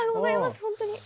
本当に。